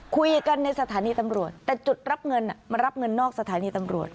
คุยกันในสถานีตำรวจแต่จุดรับเงินมารับเงินนอกสถานีตำรวจ